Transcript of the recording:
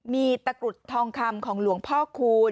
มีตะกรุดทองคำของหลวงพ่อคูณ